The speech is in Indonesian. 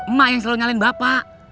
emak yang selalu nyalin bapak